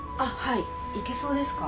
いけそうですか？